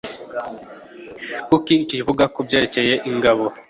Kuki akivuga kubyerekeye ingabo?